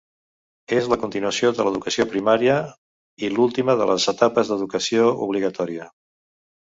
És la continuació de l'educació primària i l'última de les etapes d'educació obligatòria.